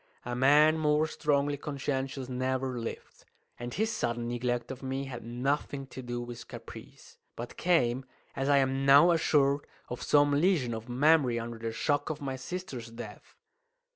A man more strongly conscientious never lived; and his sudden neglect of me had nothing to do with caprice, but came as I am now assured of some lesion of memory under the shock of my sister's death.